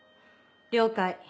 了解。